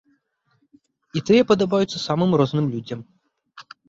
І тыя падабаюцца самым розным людзям.